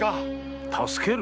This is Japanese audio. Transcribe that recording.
助ける？